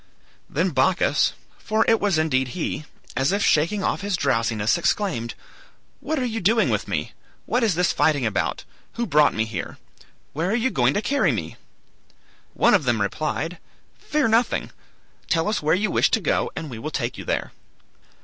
"Then Bacchus (for it was indeed he), as if shaking off his drowsiness, exclaimed, 'What are you doing with me? What is this fighting about? Who brought me here? Where are you going to carry me?' One of them replied, 'Fear nothing; tell us where you wish to go and we will take you there.'